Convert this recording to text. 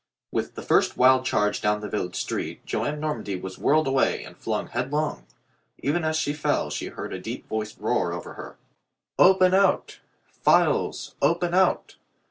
With the first wild charge down the village street Joan Normandy was whirled away and flung head long. Even as she fell she heard a deep voiced roar above her: "Open out! Files! Open out!"